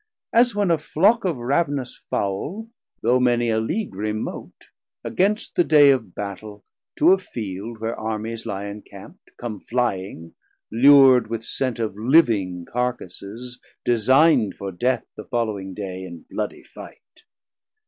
As when a flock Of ravenous Fowl, though many a League remote, Against the day of Battel, to a Field, Where Armies lie encampt, come flying, lur'd With sent of living Carcasses design'd For death, the following day, in bloodie fight.